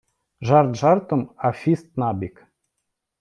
Жарт жартом, а фіст набік.